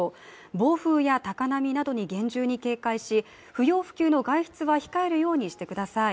暴風や高波などに厳重に警戒し不要不急の外出は控えるようにしてください。